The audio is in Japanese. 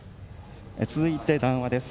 続いて談話です。